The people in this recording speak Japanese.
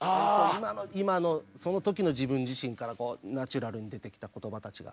今のその時の自分自身からナチュラルに出てきた言葉たちが。